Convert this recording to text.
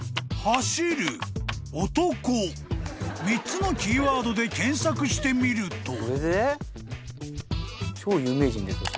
［３つのキーワードで検索してみると］